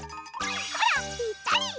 ほらぴったり！